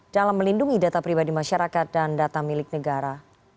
dalam melindungi data pribadi masyarakat dan data milik negara